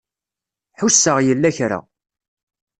Ḥusseɣ yella kra.